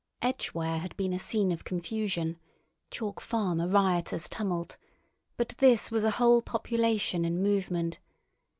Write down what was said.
Edgware had been a scene of confusion, Chalk Farm a riotous tumult, but this was a whole population in movement.